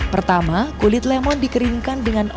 pertama kulit lemon dikeringkan dengan